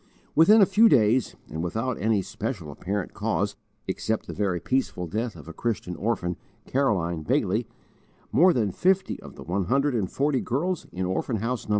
Within a few days and without any special apparent cause except the very peaceful death of a Christian orphan, Caroline Bailey, more than fifty of the one hundred and forty girls in Orphan House No.